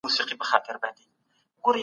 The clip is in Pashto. هیوادونه چیري نوي ډیپلوماټیک اسناد ساتي؟